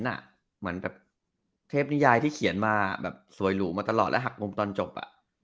เหมือนแบบเทพนิยายที่เขียนมาแบบสวยหรูมาตลอดและหักมุมตอนจบ